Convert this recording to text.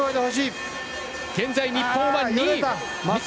現在、日本は２位！